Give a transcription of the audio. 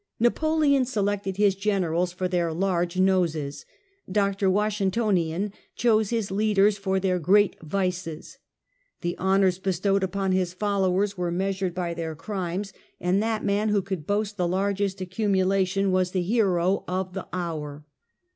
!N^apoleon selected his generals for their large noses. Dr. Washingtonian chose his leaders for their great vices. The honors bestowed upon his followers were measured by their crimes, and that man who could boast the largest accumulation was the hero of the hour.